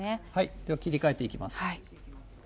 では切り替えていきます。